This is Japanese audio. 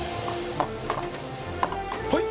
はい！